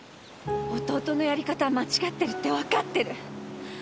弟のやり方は間違ってるってわかってる。